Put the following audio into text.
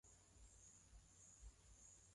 Dhambi zangu kuziosha.